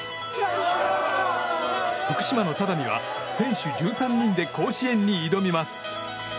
福島の只見は選手１３人で甲子園に挑みます。